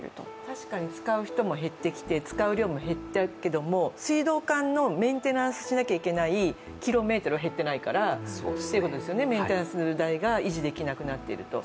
確かに使う人も減ってきて使う量も減ってきたけれども水道管のメンテナンスをしなきゃいけないキロメートルは減っていないからということですよね、メンテナンス代が維持できなくなっていると。